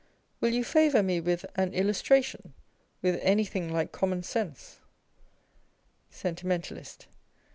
Will you favour me with an illustration â€" with anything like common sense ? Sentimentalist.